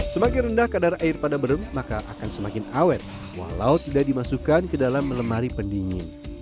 semakin rendah kadar air pada berem maka akan semakin awet walau tidak dimasukkan ke dalam lemari pendingin